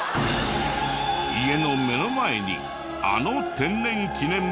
家の目の前にあの天然記念物が。